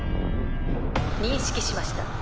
認識しました。